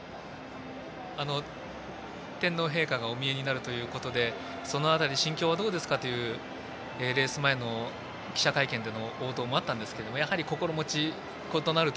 天皇陛下がお見えになるということでその辺り、心境はどうですか？というレース前の記者会見での応答もあったんですがやはり心持ち。